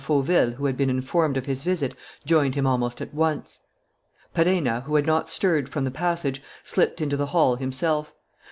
Fauville, who had been informed of his visit, joined him almost at once. Perenna, who had not stirred from the passage, slipped into the hall himself.